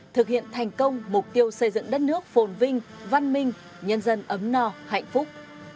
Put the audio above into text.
thực hiện thành công mục tiêu xây dựng đất nước phồn vinh văn minh nhân dân ấm no hạnh phúc